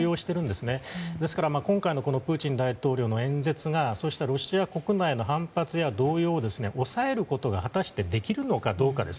ですから今回のプーチン大統領の演説がそうしたロシア国内の反発や動揺を抑えることができるのかどうか。